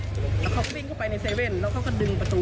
ก็เค้าวิ่งเข้าไปในเซเวนแล้วก็ก็ดึงประตูอะ